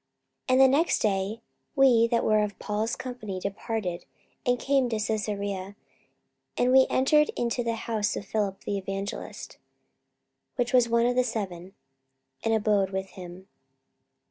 44:021:008 And the next day we that were of Paul's company departed, and came unto Caesarea: and we entered into the house of Philip the evangelist, which was one of the seven; and abode with him.